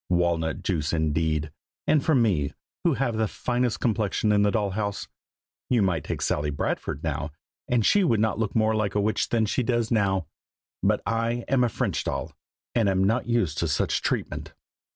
Walnut juice, indeed! and for me, who have the finest complexion in the doll house! You might take Sally Bradford, now, and she would not look more like a witch than she does now; but I am a French doll, and am not used to such treatment."